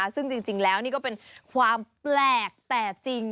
ซึ่งจริงแล้วนี่ก็เป็นความแปลกแต่จริง